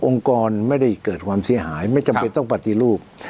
กรไม่ได้เกิดความเสียหายไม่จำเป็นต้องปฏิรูป